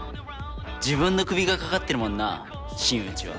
自分のクビがかかってるもんな新内は。